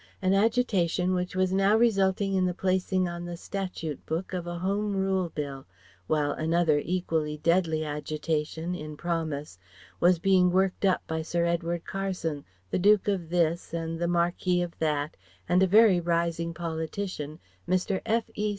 An agitation which was now resulting in the placing on the Statute Book of a Home Rule Bill, while another equally deadly agitation in promise was being worked up by Sir Edward Carson, the Duke of This and the Marquis of That, and a very rising politician, Mr. F.E.